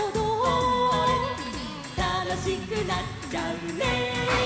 「たのしくなっちゃうね」